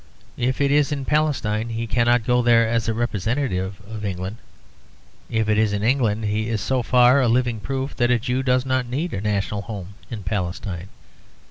If it is in Palestine he cannot go there as a representative of England. If it is in England, he is so far a living proof that a Jew does not need a national home in Palestine.